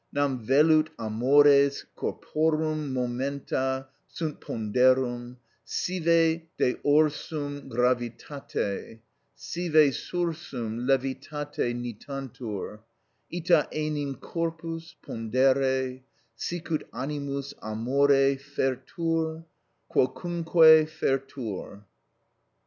Nam velut amores corporum momenta sunt ponderum, sive deorsum gravitate, sive sursum levitate nitantur: ita enim corpus pondere, sicut animus amore fertur quocunque fertur_" (De Civ. Dei, xi.